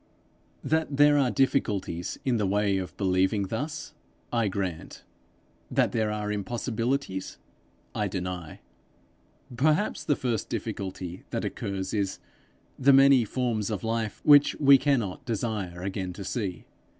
That there are difficulties in the way of believing thus, I grant; that there are impossibilities, I deny. Perhaps the first difficulty that occurs is, the many forms of life which we cannot desire again to see.